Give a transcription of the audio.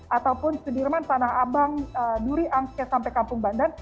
ataupun sudirman tanah abang duri angsia sampai kampung bandar